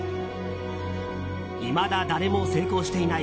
いまだ誰も成功していない